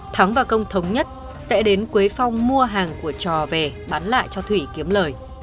thắng và công thống nhất sẽ đến quế phong mua hàng của trò về bán lại cho thủy kiếm lời